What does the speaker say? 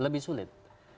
ya lebih sulit